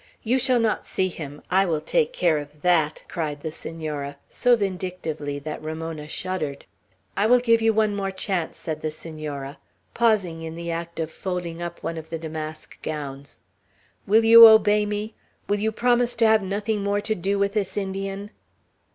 "You shall not see him! I will take care of that!" cried the Senora, so vindictively that Ramona shuddered. "I will give you one more chance," said the Senora, pausing in the act of folding up one of the damask gowns. "Will you obey me? Will you promise to have nothing more to do with this Indian?"